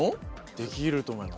できると思います。